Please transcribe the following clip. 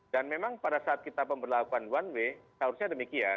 dan memang pada saat kita memperlakukan one way seharusnya demikian